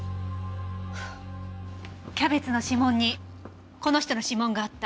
キャベツの指紋にこの人の指紋があった。